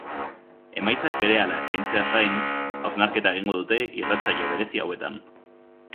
Emaitzak berehala eskaintzeaz gain, hausnarketa egingo dute irratsaio berezi hauetan.